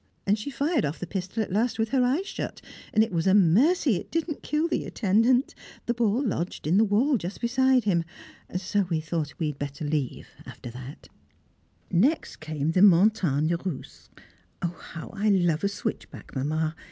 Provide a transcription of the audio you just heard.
And she fired off the pistol at last with her eyes shut, and it was a mercy it did not kill the attendant, the ball lodged in the wall just beside him, so we thought we had better leave after that! [Sidenote: The Montagnes Russes] Next came the Montagnes Russes. How I love a switchback, Mamma!